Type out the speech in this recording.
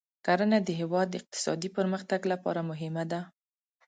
کرنه د هېواد د اقتصادي پرمختګ لپاره مهمه ده.